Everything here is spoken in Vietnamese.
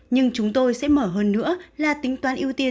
nhưng chúng tôi sẽ mở hơn nữa là tính toán ưu tiên